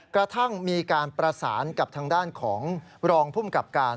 กระทั่งมีการประสานกับทางด้านของรองภูมิกับการ